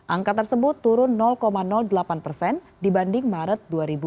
angka tersebut turun delapan persen dibanding maret dua ribu dua puluh